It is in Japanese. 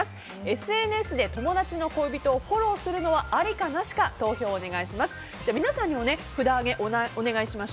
ＳＮＳで友達の恋人をフォローするのはありかなしか投票をお願いします。